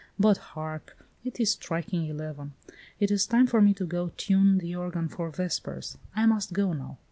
But hark, it is striking eleven. It is time for me to go tune the organ for vespers. I must go now.